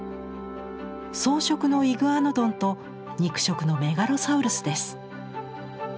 草食のイグアノドンと肉食のメガロサウルスです。